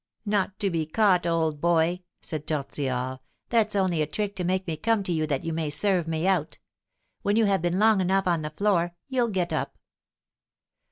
"Not to be caught, old boy," said Tortillard; "that's only a trick to make me come to you that you may serve me out! When you have been long enough on the floor you'll get up."